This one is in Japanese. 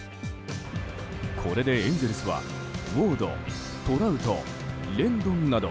これでエンゼルスはウォードトラウト、レンドンなど